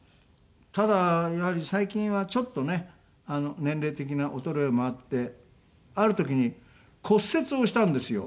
ただやはり最近はちょっとね年齢的な衰えもあってある時に骨折をしたんですよ